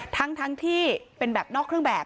ทั้งที่เป็นแบบนอกเครื่องแบบ